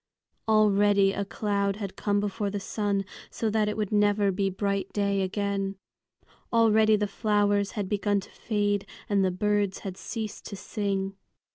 Already a cloud had come before the sun, so that it would never be bright day again. Already the flowers had begun to fade and the birds had ceased to sing.